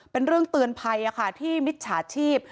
เป็นเรื่องเตือนภัยที่มิจฉาชีพ